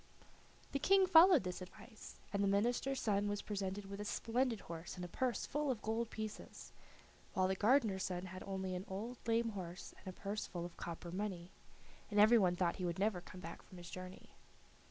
The King followed this advice, and the minister's son was presented with a splendid horse and a purse full of gold pieces, while the gardener's son had only an old lame horse and a purse full of copper money, and every one thought he would never come back from his journey.